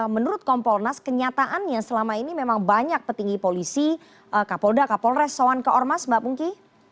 menurut kompolnas kenyataannya selama ini memang banyak petinggi polisi kapolda kapolres soan ke ormas mbak pungki